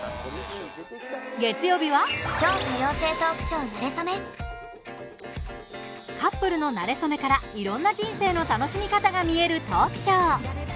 月曜日はカップルのなれ初めからいろんな人生の楽しみ方が見えるトークショー。